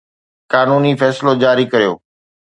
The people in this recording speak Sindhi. قانوني فيصلو جاري ڪريو